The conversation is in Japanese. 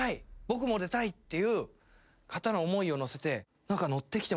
僕も出たいっていう方の思いを乗せて。